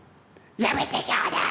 「やめてちょうだい！